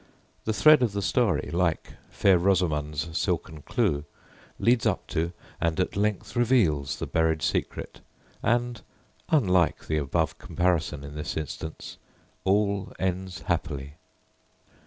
The thread of the story, like Fair Rosamond's silken clue, leads up to and at length reveals the buried secret, and (unlike the above comparison in this instance) all ends happily!